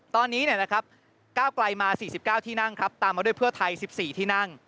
ตอนนี้ก้าวไกลมา๔๙ที่นั่งครับตามมาด้วยเพื่อไทย๑๔ที่นั่ง